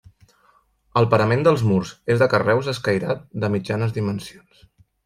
El parament dels murs és de carreus escairats de mitjanes dimensions.